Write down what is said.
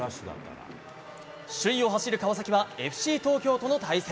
首位を走る川崎はＦＣ東京との対戦。